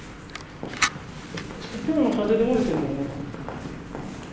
きょうの風で折れてんだよね。